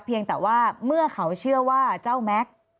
เพียงแต่ว่าเมื่อเขาเชื่อว่าเจ้าแม็กซ์